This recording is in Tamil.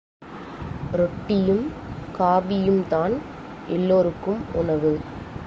ரொட்டியும், காபியும்தான் எல்லோருக்கும் உணவு.